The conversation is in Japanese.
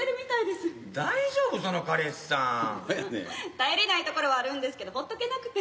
頼りないところはあるんですけどほっとけなくて。